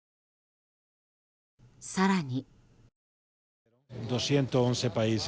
更に。